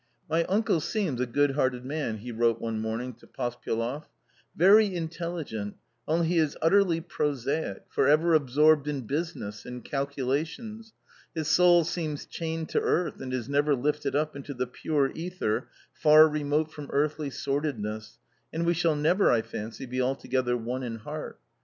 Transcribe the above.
" My uncle seems a good hearted man," he wrote one I morning to Pospyeloff, "very intelligent, only he is utterly \ prosaic, for ever absorbed in business, in calculations. His soul seems chained to earth and is never lifted up into the pure ether far remote from earthly sordidness, and we shall never, I fancy, be altogether one in heart.